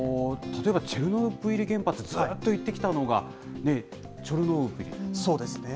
例えばチェルノブイリ原発、ずっと言ってきたのが、そうですね。